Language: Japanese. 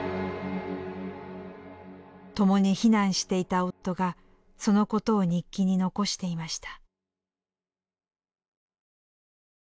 共に避難していた夫がそのことを日記に残していました。